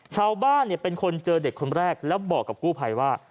ชาวบ้านเป็นคนเจอเด็กคนแรกแล้วบอกกับกู้ภัยว่า